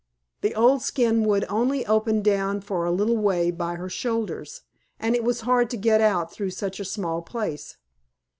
The old skin would only open down for a little way by her shoulders, and it was hard to get out through such a small place.